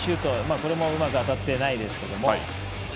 これもうまく当たっていないですけども。